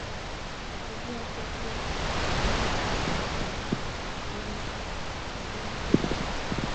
Kokiaser serunik che chang' aku kibotyo